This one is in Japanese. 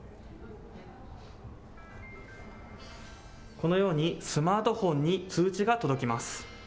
このように、スマートフォンに通知が届きます。